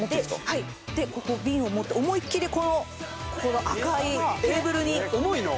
はいでここ瓶を持って思い切りここの赤いテーブルに重いの？